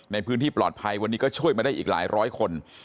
ในพื้นที่ปลอดภัยวันนี้ก็ช่วยมาได้อีกหลายร้อยคน